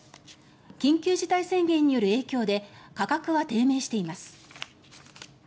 緊急事態宣言による影響で価格は低迷しています。